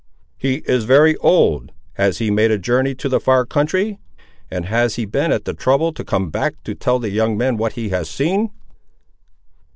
"He is very old: has he made a journey to the far country; and has he been at the trouble to come back, to tell the young men what he has seen?"